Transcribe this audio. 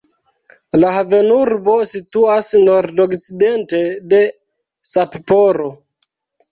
La havenurbo situas nordokcidente de Sapporo.